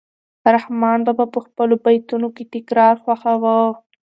رحمان بابا په خپلو بیتونو کې تکرار خوښاوه.